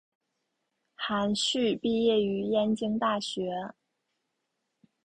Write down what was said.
韩叙毕业于燕京大学。